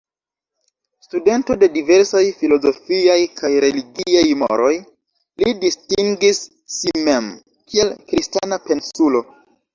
Studento de diversaj filozofiaj kaj religiaj moroj, li distingis si mem kiel Kristana pensulo.